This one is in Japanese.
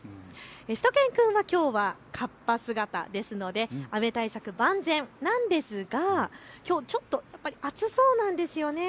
しゅと犬くんはきょうはカッパ姿ですので雨対策万全なんですがきょう、ちょっと暑そうなんですよね。